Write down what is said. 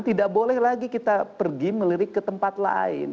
tidak boleh lagi kita pergi melirik ke tempat lain